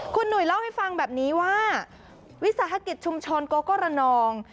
คุณหนุ่ยเล่าให้ฟังแบบนี้ว่าวิสาหกิจชุมชนโกโก้ระนอง